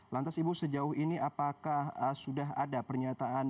lantas ibu sejauh ini apakah sudah ada pernyataan